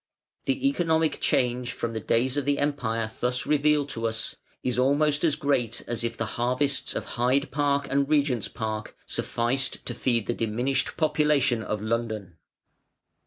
The economic change from the days of the Empire thus revealed to us is almost as great as if the harvests of Hyde Park and Regent's Park sufficed to feed the diminished population of London.